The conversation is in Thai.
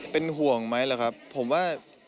เป็นห่วงไหมล่ะครับผมว่า